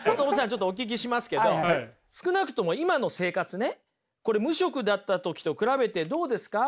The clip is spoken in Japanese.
ちょっとお聞きしますけど少なくとも今の生活ねこれ無職だった時と比べてどうですか？